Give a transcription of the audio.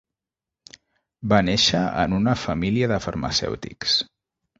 Va néixer en una família de farmacèutics.